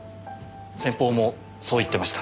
先方もそう言ってました。